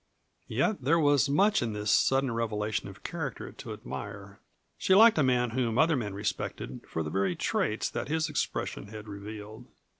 Yet there was much in this sudden revelation of character to admire. She liked a man whom other men respected for the very traits that his expression had revealed.